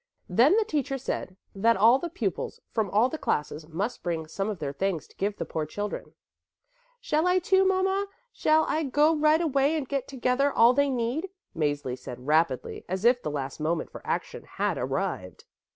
"Then the teacher said that all the pupils from all the classes must bring some of their things to give to the poor children " "Shall I too, Mama, shall I go right away and get together all they need?" Mäzli said rapidly, as if the last moment for action had arrived.